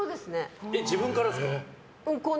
自分からですか？